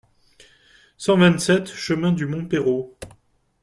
cent vingt-sept chemin du Mont Perrot